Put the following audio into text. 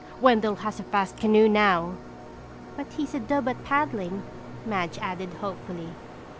"Wendell has a fast canoe now." "But he's a dub at paddling," Madge added hopefully.